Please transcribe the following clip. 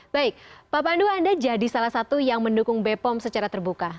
baik pak pandu anda jadi salah satu yang mendukung bepom secara terbuka